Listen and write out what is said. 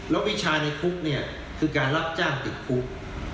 แล้ววิชาในคุกเนี่ยคือการรับจ้างติดคุก